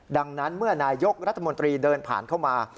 ดังนั้นเมื่อนายกรัฐมนตรีเดินผ่านเข้ามา